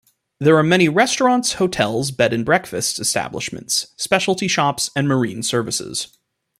There are many restaurants, hotels, bed and breakfasts establishments, specialty shops, and marine services.